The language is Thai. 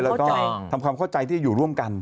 แล้วก็ทำความเข้าใจที่จะอยู่ร่วมกัน